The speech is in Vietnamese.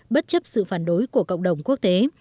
bất chấp sự phản đối của cộng đồng quốc tế